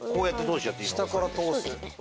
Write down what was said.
下から通す。